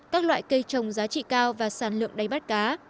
các loại cây trồng giá trị cao và sản lượng đáy bắt cá